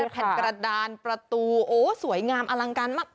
แผ่นกระดานประตูโอ้สวยงามอลังการมาก